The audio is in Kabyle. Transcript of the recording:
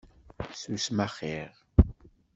Susem axir!